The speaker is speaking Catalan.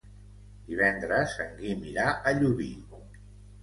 Divendres en Guim irà a Llubí.